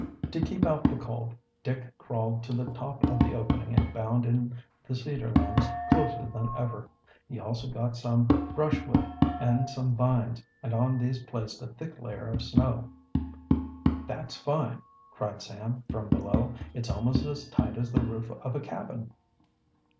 To keep out the cold, Dick crawled to the top of the opening and bound in the cedar limbs closer than ever. He also got some brush wood and some vines, and on these placed a thick layer of snow. "That's fine!" cried Sam, from below. "It's almost as tight as the roof of a cabin."